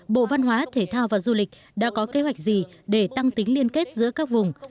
bộ văn hóa thể thao và du lịch đã có kế hoạch gì để tăng tính liên kết giữa các vùng